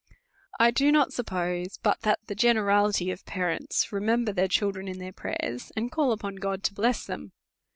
I do not suppose but that the g enerality of parents remember their children in their prayers, and call upon God to bless them.